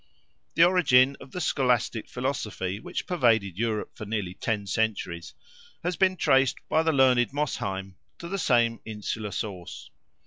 The origin of the scholastic philosophy—which pervaded Europe for nearly ten centuries—has been traced by the learned Mosheim to the same insular source.